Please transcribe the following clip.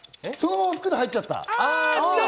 そのまま服で入っちゃった。